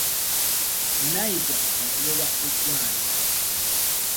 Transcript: Nnayiga agoba eggaali.